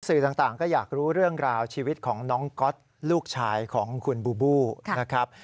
สื่อต่างก็อยากรู้เรื่องราวชีวิตของน้องก๊อตลูกชายของคุณบูบูนะครับ